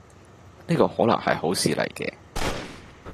呢個可能係好事嚟嘅